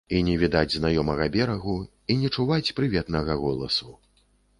І не відаць знаёмага берагу, і не чуваць прыветнага голасу.